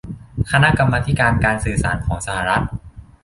คณะกรรมาธิการการสื่อสารของสหรัฐ